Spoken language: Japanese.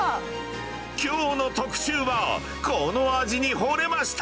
きょうの特集は、この味にホレました！